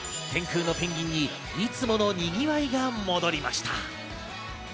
天空のペンギンに、いつものにぎわいが戻りました。